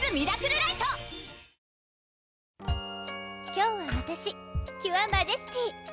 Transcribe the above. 今日はわたしキュアマジェスティ！